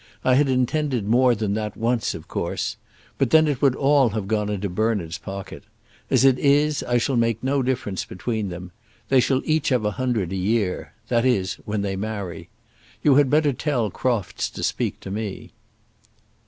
I had intended more than that once, of course. But then it would all have gone into Bernard's pocket; as it is, I shall make no difference between them. They shall each have a hundred a year, that is, when they marry. You had better tell Crofts to speak to me."